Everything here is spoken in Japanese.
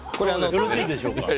よろしいでしょうか。